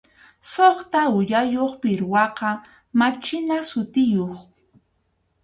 Suqta uyayuq pirwaqa machina sutiyuq.